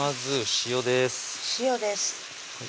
塩です